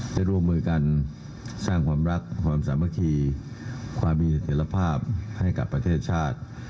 ได้ร่วมมือกันสร้างความรักความสามัคคีความมีเสถียรภาพให้กับประเทศชาติ